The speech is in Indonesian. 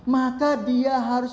maka dia harus